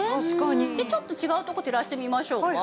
ちょっと違う所照らしてみましょうか。